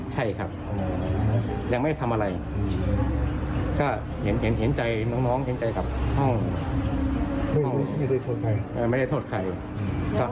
ใช่ครับยังไม่ทำอะไรก็เห็นใจน้องห้องไม่ได้โทษใคร